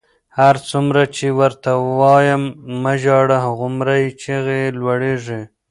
هرڅومره چې ورته وایم مه ژاړه، هغومره یې چیغې لوړېږي.